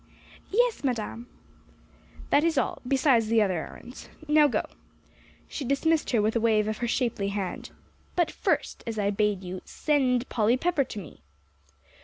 "Yes, Madame." "That is all besides the other errands. Now go." She dismissed her with a wave of her shapely hand. "But first, as I bade you, send Polly Pepper to me."